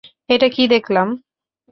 এটা কি দেখলাম?